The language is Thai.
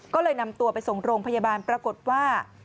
ก็เลยนำตัวไปส่งโรงพยาบาลปรากฏว่า